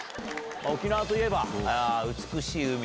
沖縄といえば。